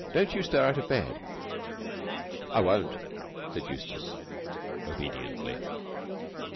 Don't you stir out of bed!" "I won't," said Eustace obediently.